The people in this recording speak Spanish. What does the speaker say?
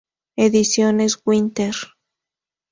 Ediciones Winter.